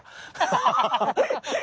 ハハハハ！